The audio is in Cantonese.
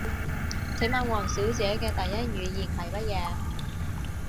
請問王小姐嘅第一語言係乜嘢？